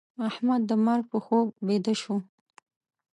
احمد د مرګ په خوب بيده شو.